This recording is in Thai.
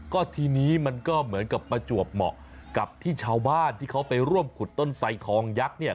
ก็ทีนี้มันก็เหมือนกับประจวบเหมาะกับที่ชาวบ้านที่เขาไปร่วมขุดต้นไสทองยักษ์เนี่ย